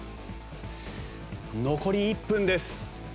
残り１分です。